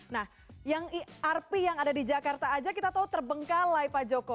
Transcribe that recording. nah yang irp yang ada di jakarta saja kita tahu terbengkalai pak joko